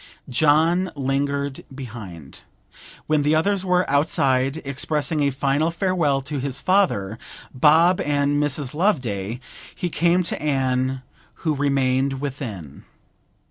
John lingered behind. When the others were outside, expressing a final farewell to his father, Bob, and Mrs. Loveday, he came to Anne, who remained within.